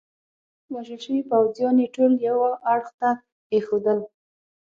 وژل شوي پوځیان يې ټول یوه اړخ ته ایښودل.